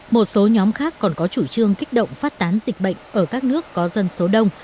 một số nhóm khác còn có chủ trương kích động phát tán dịch bệnh ở các nước có dân số đông